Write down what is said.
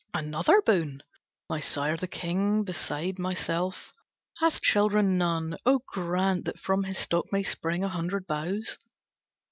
"Another boon! My sire the king Beside myself hath children none, Oh grant that from his stock may spring A hundred boughs."